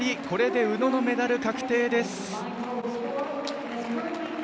これで宇野のメダル確定です。